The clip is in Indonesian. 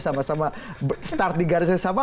sama sama start di garis yang sama